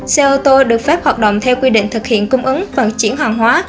xe ô tô được phép hoạt động theo quy định thực hiện cung ứng vận chuyển hàng hóa